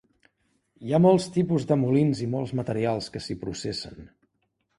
Hi ha molts tipus de molins i molts materials que s'hi processen.